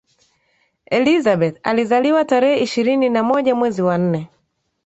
elizabeth alizaliwa tarehe ishirini na moja mwezi wa nne